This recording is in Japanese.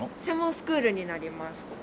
専門スクールになります